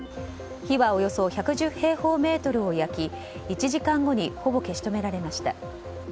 火はおよそ１１０平方メートルを焼き１時間後にほぼ消し止められました。